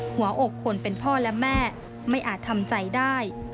หัวอกคนเป็นพ่อและแม่ไม่อาจทำใจได้